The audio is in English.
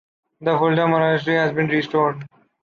The Fulda monastery has been restored.